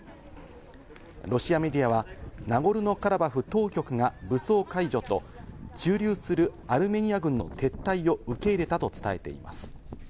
ロシアメディアはナゴルノカラバフ当局が武装解除と、駐留するアルメニア軍の撤退を受け入れたと伝えています。